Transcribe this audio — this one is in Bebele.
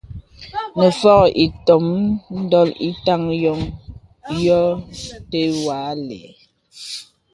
Nə Fògō vì ìtōm dòlo ītàn yô tə̀ wà àlə̄.